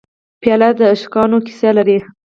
پیاله د عشقونو کیسې لري.